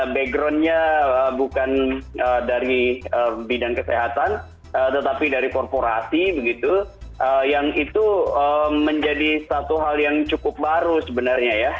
backgroundnya bukan dari bidang kesehatan tetapi dari korporasi begitu yang itu menjadi satu hal yang cukup baru sebenarnya ya